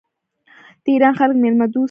د ایران خلک میلمه دوست دي.